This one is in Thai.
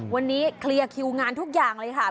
วันนี้เคลียร์คิวงานทุกอย่างเลยค่ะ